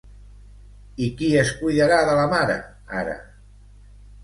I qui és cuidarà de la mare ara?